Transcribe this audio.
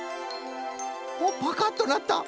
おっパカッとなった。